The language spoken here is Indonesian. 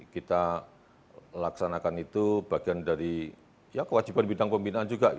kita laksanakan itu bagian dari ya kewajiban bidang pembinaan juga